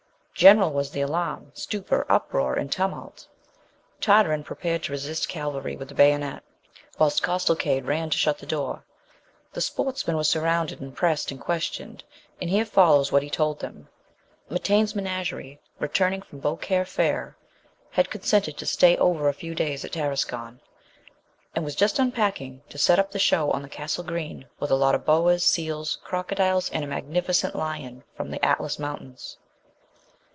General was the alarm, stupor, uproar and tumult. Tartarin prepared to resist cavalry with the bayonet, whilst Costecalde ran to shut the door. The sportsman was surrounded and pressed and questioned, and here follows what he told them: Mitaine's Menagerie, returning from Beaucaire Fair, had consented to stay over a few days at Tarascon, and was just unpacking, to set up the show on the Castle green, with a lot of boas, seals, crocodiles, and a magnificent lion from the Atlas Mountains.